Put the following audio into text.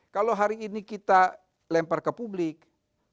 kalau hari ini kita lempar ke publik kemudian ada lagi perubahan sana sini